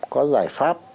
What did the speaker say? có giải pháp